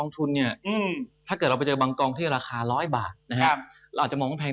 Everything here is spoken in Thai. ถ้าเกิดเราไปเจอกับบางกองที่ราคา๑๐๐บาทเราอาจจะมองว่ามันแพง